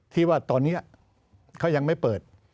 ที่ว่าตอนนี้เขายังไม่เปิด